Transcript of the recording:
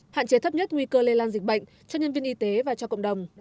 hạn chế thấp nhất nguy cơ lây lan dịch bệnh cho nhân viên y tế và cho cộng đồng